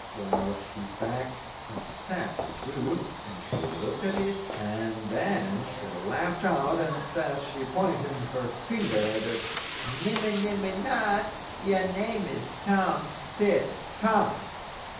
Well, she backed a step or two, and she looked at it, and then she laughed out, and says she, pointing her finger at it: "Nimmy nimmy not, Your name's Tom Tit Tot."